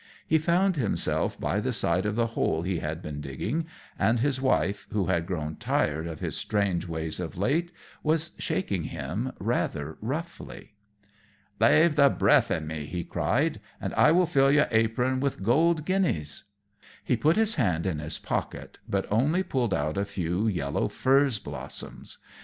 He found himself by the side of the hole he had been digging, and his wife, who had grown tired of his strange ways of late, was shaking him rather roughly. [Illustration: Tim Jarvis and his Wife.] "Lave the breath in me," he cried, "and I will fill your apron with golden guineas." He put his hand in his pocket, but only pulled out a few yellow furze blossoms.